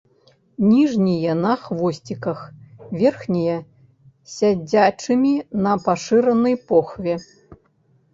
Ніжнія на хвосціках, верхнія сядзячымі на пашыранай похве.